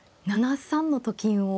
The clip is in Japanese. ７三のと金を。